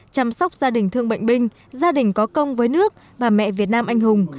chăm sóc gia đình thương bệnh binh gia đình có công với nước và mẹ việt nam anh hùng